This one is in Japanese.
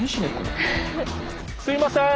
すいません！